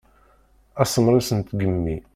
Asemres n tgemmi.